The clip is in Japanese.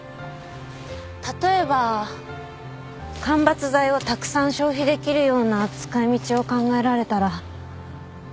例えば間伐材をたくさん消費できるような使い道を考えられたら。